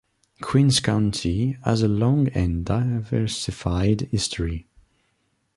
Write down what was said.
Queens County has a long and diversified history.